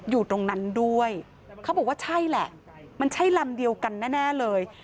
อยู่ตรงนั้นด้วยเขาบอกว่าใช่แหละมันใช่ลำเดียวกันแน่เลย